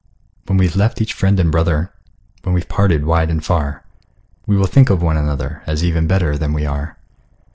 When we've left each friend and brother, When we're parted wide and far, We will think of one another, As even better than we are.